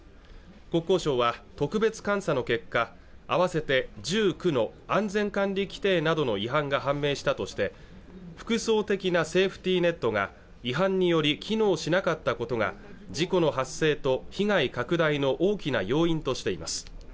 国交省は特別監査の結果合わせて１９の安全管理規程などの違反が判明したとして複層的なセーフティーネットが違反により機能しなかったことが事故の発生と被害拡大の大きな要因としています